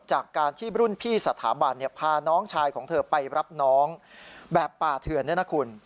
จากการที่รุ่นพี่สถาบันพาน้องชายของเธอไปรับน้องแบบป่าเถื่อนเนี่ยนะคุณ